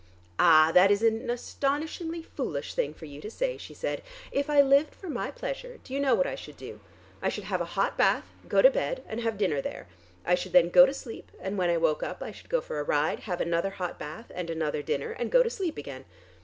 "Ah, that is an astonishingly foolish thing for you to say," she said. "If I lived for my pleasure, do you know what I should do? I should have a hot bath, go to bed and have dinner there. I should then go to sleep and when I woke up I should go for a ride, have another hot bath and another dinner and go to sleep again.